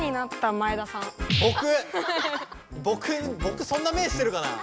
ぼく⁉ぼくそんな目してるかな？